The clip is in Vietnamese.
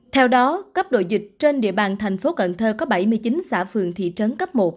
theo đó cấp độ dịch trên địa bàn tp hcm có bảy mươi chín xã phường thị trấn cấp một